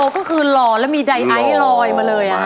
แค่ก็คือหล่อเหมียไตลอลมาเลยอะครับ